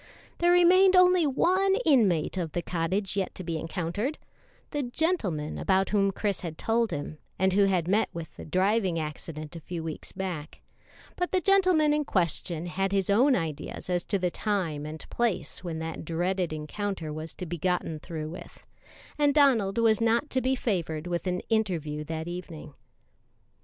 There remained only one inmate of the cottage yet to be encountered the gentleman about whom Chris had told him, and who had met with the driving accident a few weeks back; but the gentleman in question bad his own ideas as to the time and place when that dreaded encounter was to be gotten through with, and Donald was not to be favored with an interview that evening.